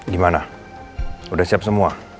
gimana udah siap semua